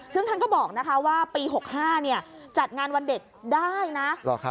ซึ่งท่านก็บอกว่าปี๖๕จัดงานวันเด็กได้นะ